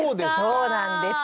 そうなんですよ。